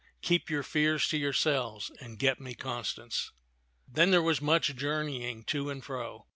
Keep your fears to yourselves and get me Constance." Then there was much journeying to and fro.